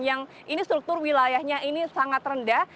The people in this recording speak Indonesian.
yang ini struktur wilayahnya ini sangat rendah